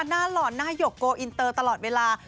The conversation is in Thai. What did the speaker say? หล่อนหน้าหยกโกอินเตอร์ตลอดเวลา